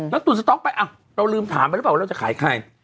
แล้วตุนสต๊อกไปเราลืมถามไปแล้วเราจะขายใคร